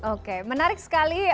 oke menarik sekali